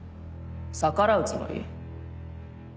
逆らうつもり？